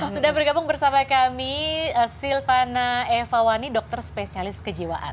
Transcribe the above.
sudah bergabung bersama kami silvana evawani dokter spesialis kejiwaan